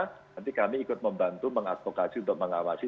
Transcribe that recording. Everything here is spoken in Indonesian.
nanti kami ikut membantu mengadvokasi untuk mengawasi